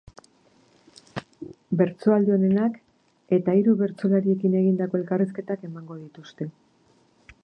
Bertsoaldi onenak eta hiru bertsolariekin egindako elkarrizketak emango dituzte.